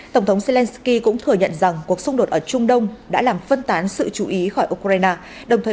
tổng thống zelensky cũng thừa nhận rằng cuộc xung đột ở trung đông đã làm phân tán sự chú ý khỏi ukraine đồng thời